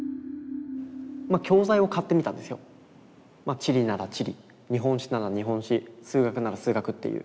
地理なら地理日本史なら日本史数学なら数学っていう。